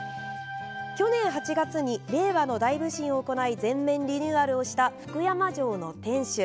去年８月に令和の大普請を行い全面リニューアルをした福山城の天守。